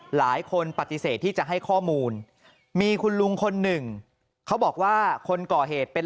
หลายคนปฏิเสธที่จะให้ข้อมูลมีคุณลุงคนหนึ่งเขาบอกว่าคนก่อเหตุเป็น